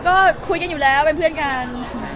ก็คุยกันอยู่แล้วเป็นเพื่อนกัน